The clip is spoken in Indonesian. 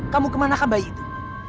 kamu kemana kan bayi itu